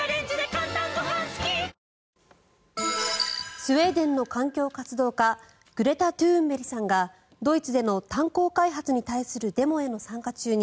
スウェーデンの環境活動家グレタ・トゥーンベリさんがドイツでの炭鉱開発に対するデモへの参加中に